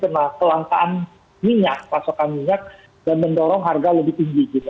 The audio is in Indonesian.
minyak pasokan minyak dan mendorong harga lebih tinggi gitu